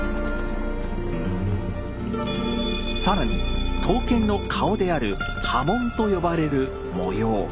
更に刀剣の顔である「刃文」と呼ばれる模様。